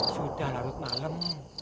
sudah lalu malam